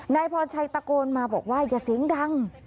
นายพรชัยตะโกนมาบอกว่าอย่าเสียงดัง